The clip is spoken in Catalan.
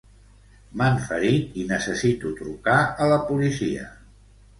M'han ferit i necessito trucar a la policia.